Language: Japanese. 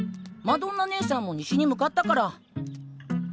マドンナねえさんも西に向かったから。